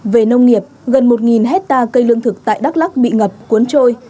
về nông nghiệp gần một hectare cây lương thực tại đắk lắc bị ngập cuốn trôi